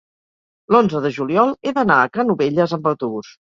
l'onze de juliol he d'anar a Canovelles amb autobús.